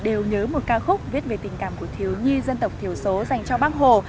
đều nhớ một ca khúc viết về tình cảm của thiếu nhi dân tộc thiểu số dành cho bác hồ